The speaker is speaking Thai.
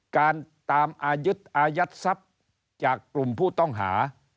การตามอายึดอายัดทรัพย์จากกลุ่มผู้ต้องหา